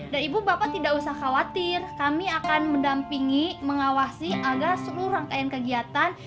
dan ibu bapak tidak usah khawatir kami akan mendampingi mengawasi agar seluruh rangkaian kegiatan